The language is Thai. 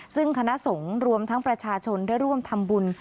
ซึ่งคณะสงฆ์รวมทั้งประชาชนได้ร่วมทำบุญ